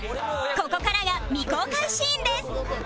ここからが未公開シーンです